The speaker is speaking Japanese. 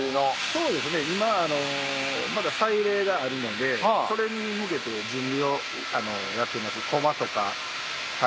そうですね今まだ祭礼があるのでそれに向けて準備をやってますコマとか。